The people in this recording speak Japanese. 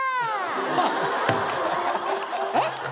えっ？